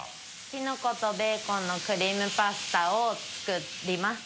キノコとベーコンのクリームパスタを作ります。